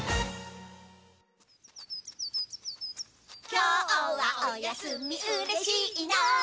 「今日はお休みうれしいな」